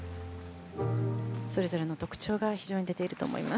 それぞれの特徴が非常に出ていると思います。